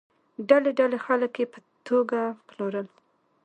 ډلې ډلې خلک یې په توګه پلورل.